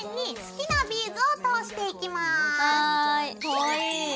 かわいい。